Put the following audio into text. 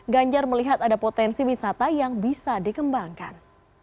ganjar melihat ada potensi wisata yang bisa dikembangkan